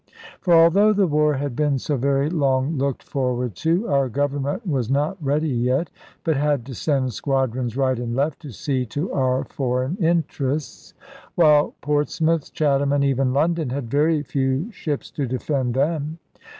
For although the war had been so very long looked forward to, our Government was not ready yet, but had to send squadrons right and left, to see to our foreign interests; while Portsmouth, Chatham, and even London, had very few ships to defend them.